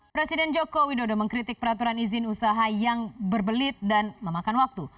presiden joko widodo mengkritik peraturan izin usaha yang berbelit dan memakan waktu